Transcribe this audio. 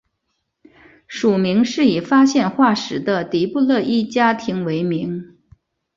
属名是以发现化石的迪布勒伊家庭为名。